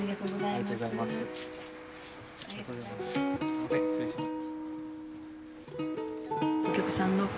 すいません、失礼します。